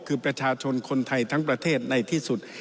คือประชาชนคนไทยทั้งประเทศในที่สุด